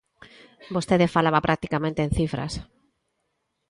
Vostede falaba practicamente en cifras.